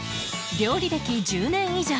料理歴１０年以上